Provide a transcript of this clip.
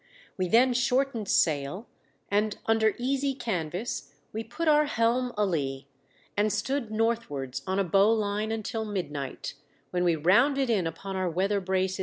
We then shortened sail, and under easy canvas, we put our helm a lee, and stood north wards on a bowline until midnight, when we rounded in upon our weather brace?